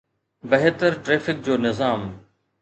بهتر ٽرئفڪ جو نظام.